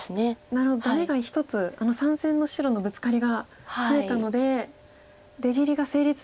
なるほどダメが１つあの３線の白のブツカリが増えたので出切りが成立するんですか。